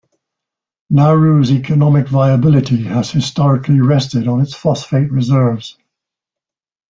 Nauru's economic viability has historically rested on its phosphate reserves.